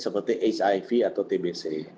seperti hiv atau tbc